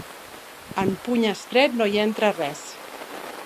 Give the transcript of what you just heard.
En puny estret, no hi entra res.